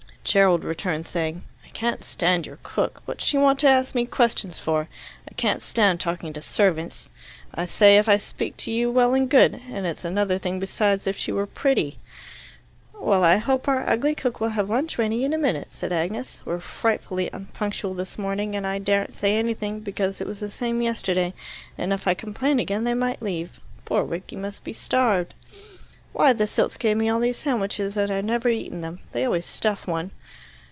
Gerald returned, saying, "I can't stand your cook. What's she want to ask me questions for? I can't stand talking to servants. I say, 'If I speak to you, well and good' and it's another thing besides if she were pretty." "Well, I hope our ugly cook will have lunch ready in a minute," said Agnes. "We're frightfully unpunctual this morning, and I daren't say anything, because it was the same yesterday, and if I complain again they might leave. Poor Rickie must be starved." "Why, the Silts gave me all these sandwiches and I've never eaten them. They always stuff one."